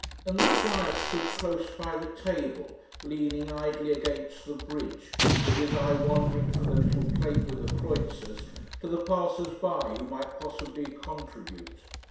And the friar stood close by the table, leaning idly against the bridge, with his eye wandering from the little plate with the kreutzers to the passers by who might possibly contribute.